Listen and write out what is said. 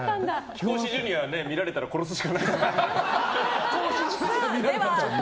貴公子ジュニアは見られたら殺すしかないですからね。